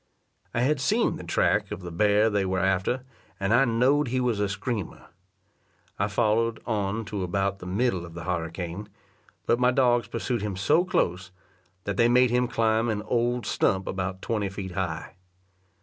I had seen the track of the bear they were after, and I knowed he was a screamer. I followed on to about the middle of the harricane; but my dogs pursued him so close, that they made him climb an old stump about twenty feet high.